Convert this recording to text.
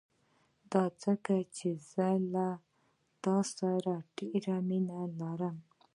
دا ځکه چې زه له تا سره ډېره مينه لرم.